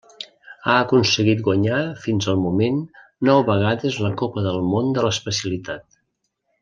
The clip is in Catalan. Ha aconseguit guanyar fins al moment nou vegades la Copa del Món de l'especialitat.